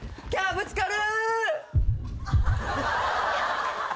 ぶつかる！